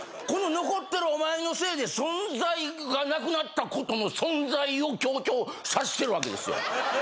⁉残ってるお前のせいで存在がなくなったことの存在を強調させてるわけですよ。